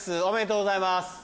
おめでとうございます。